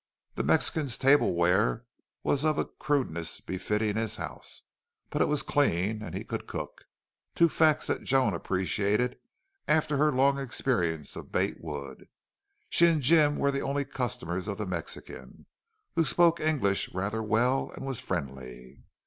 The Mexican's tableware was of a crudeness befitting his house, but it was clean and he could cook two facts that Joan appreciated after her long experience of Bate Wood. She and Jim were the only customers of the Mexican, who spoke English rather well and was friendly.